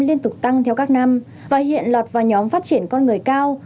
liên tục tăng theo các năm và hiện lọt vào nhóm phát triển con người cao